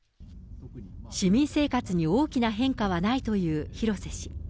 市民生活に大きな変化はないという廣瀬氏。